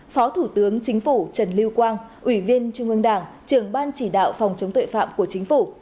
phó thủ tướng chính phủ trần lưu quang ủy viên trung ương đảng trưởng ban chỉ đạo phòng chống tội phạm của chính phủ